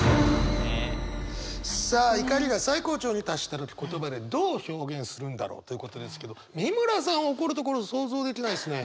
さあ怒りが最高潮に達した時言葉でどう表現するんだろうということですけど美村さん怒るところ想像できないですね。